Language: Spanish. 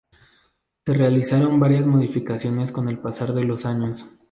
Se realizaron varias modificaciones con el pasar de los años.